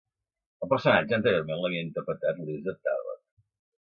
El personatge anteriorment l'havia interpretat Liza Tarbuck.